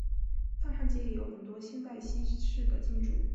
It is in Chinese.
但汉街也有很多现代西式的建筑。